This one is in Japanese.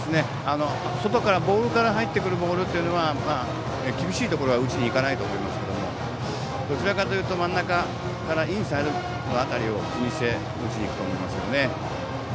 外からボールから入ってくるボールは厳しいところは打ちに行かないと思いますけどどちらかというと真ん中からインサイドの辺りを気にして打ちに行くと思いますね。